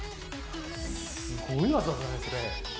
すごい技だね、それ。